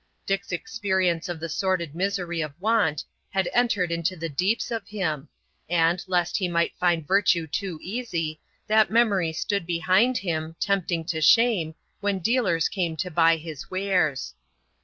Dick's experience of the sordid misery of want had entered into the deeps of him, and, lest he might find virtue too easy, that memory stood behind him, tempting to shame, when dealers came to buy his wares.